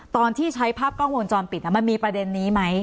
ตอนที่ใช้ภาพกล้องวงจรปิดมันมีประเด็นนี้ไหม